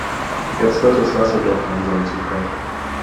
Jetzt wird das Wasser doch langsam zu kalt.